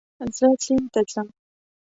زه سیند ته ځم